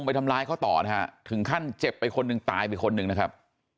ไปทำร้ายเขาต่อนะฮะถึงขั้นเจ็บไปคนหนึ่งตายไปคนหนึ่งนะครับ